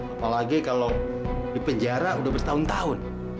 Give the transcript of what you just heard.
apalagi kalau di penjara sudah bertahun tahun